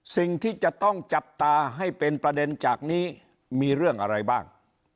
สิ่งที่จะต้องจับตาให้เป็นประเด็นจากนี้มีเรื่องอะไรบ้าง